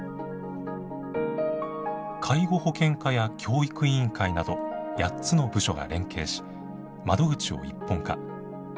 介護保険課や教育委員会など８つの部署が連携し窓口を一本化。